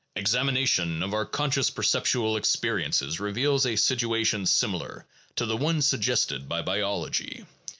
Examination of our conscious perceptual experiences reveals a situation similar to the one suggested by biology.